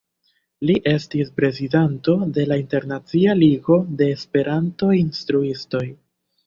Li estis prezidanto de la Internacia Ligo de Esperanto-Instruistoj.